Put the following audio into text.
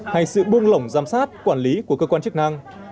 hay sự buông lỏng giám sát quản lý của cơ quan chức năng